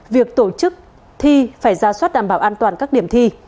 việc tổ chức thi phải ra soát đảm bảo an toàn các điểm thi